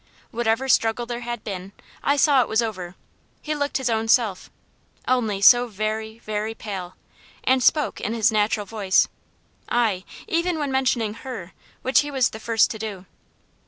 Whatever struggle there had been, I saw it was over, he looked his own self only so very, very pale and spoke in his natural voice; ay, even when mentioning HER, which he was the first to do.